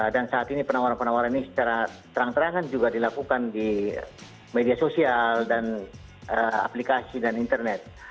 dan saat ini penawaran penawaran ini secara terang terangan juga dilakukan di media sosial dan aplikasi dan internet